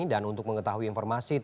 dan untuk mengetahui informasi